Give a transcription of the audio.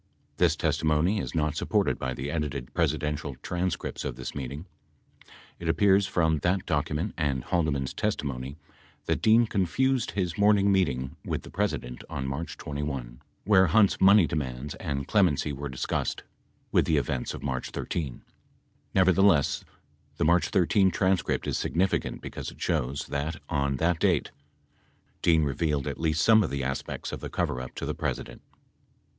This testimony is not supported by the edited Presidential transcripts of this meeting. It appears from that document and Haldeman's testimony 54 that Dean confused his morning meeting with the President on March 21 — where 54 7 Hearings 2898. 85 Hunt's money demands and clemency were discussed — with the events of March 13. Nevertheless, the March 13 transcript is significant because it shows that, on that date, Dean revealed at least some of the aspects of the coverup to the President.